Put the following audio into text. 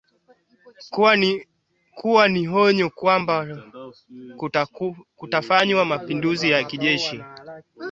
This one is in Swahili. kuwa ni onyo kwamba kutafanywa mapinduzi ya kijeshi